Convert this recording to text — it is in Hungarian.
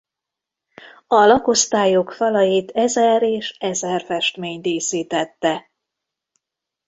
A lakosztályok falait ezer és ezer festmény díszítette.